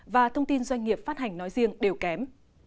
và thông tin doanh nghiệp phát hành nói riêng đều kém